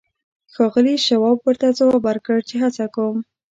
ښاغلي شواب ورته ځواب ورکړ چې هڅه کوم